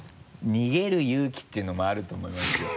逃げる勇気っていうのもあると思いますよ。